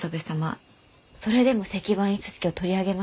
それでも石版印刷機を取り上げますか？